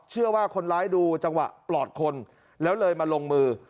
เชื่อว่าคนร้ายดูจังหวะปลอดคนแล้วเลยมาลงมือ